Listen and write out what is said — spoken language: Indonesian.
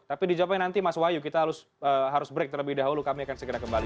tapi dijawabkan nanti mas wahyu kita harus break terlebih dahulu kami akan segera kembali